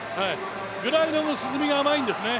グライドの沈みが甘いんですね。